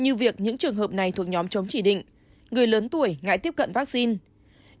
như việc những trường hợp này thuộc nhóm chống chỉ định người lớn tuổi ngại tiếp cận vaccine